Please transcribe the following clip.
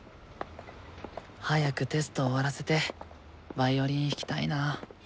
早くテスト終わらせてヴァイオリン弾きたいな。